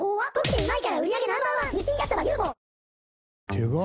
手紙？